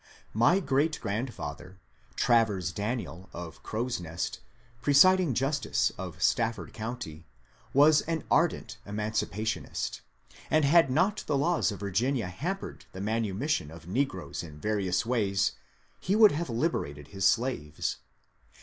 My great grandfather, Travers Daniel of "Crow's Nest," presiding justice of Sta£Ebrd Coanty, was an ardent enumcipationist, and had not the laws of Virginia hampered the manumis sion of negroes in various ways, he would have liberated his slaves.